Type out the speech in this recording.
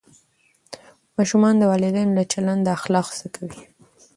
ماشومان د والدینو له چلنده اخلاق زده کوي.